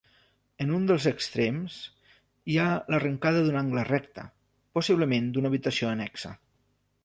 En un dels extrems hi ha l'arrencada d'un angle recte, possiblement d'una habitació annexa.